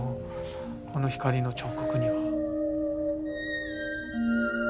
この光の彫刻には。